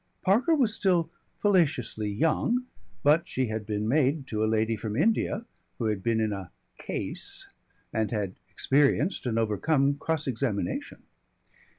Parker was still fallaciously young, but she had been maid to a lady from India who had been in a "case" and had experienced and overcome cross examination.